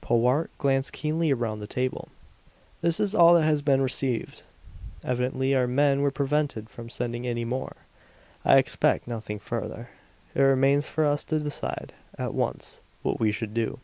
Powart glanced keenly around the table. "This is all that has been received. Evidently our men were prevented from sending any more. I expect nothing further. It remains for us to decide, at once, what we should do."